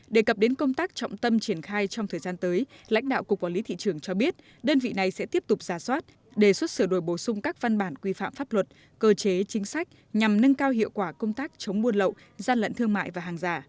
đề cập đến công tác trọng tâm triển khai trong thời gian tới lãnh đạo cục quản lý thị trường cho biết đơn vị này sẽ tiếp tục ra soát đề xuất sửa đổi bổ sung các văn bản quy phạm pháp luật cơ chế chính sách nhằm nâng cao hiệu quả công tác chống buôn lậu gian lận thương mại và hàng giả